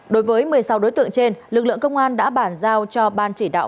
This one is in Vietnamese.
đối với một mươi sáu đối tượng trên lực lượng công an đã bản giao cho ban chỉ đạo